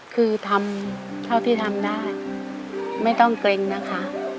คือทำเท่าที่ทำได้ไม่ต้องเกร็งนะคะ